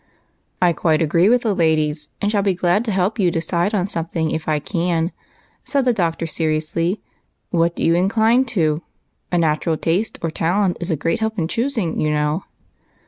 " I quite agree with the ladies, and shall be glad to help you decide on something if I can," said the Doctor seriously. " What do you incline to ? A natural taste or talent is a great help in choosing, you know."